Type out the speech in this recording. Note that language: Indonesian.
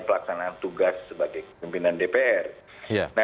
dalam kaitannya poin poin yang ditahankan oleh setnok